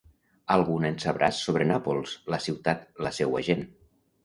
Alguna en sabràs sobre Nàpols, la ciutat, la seua gent.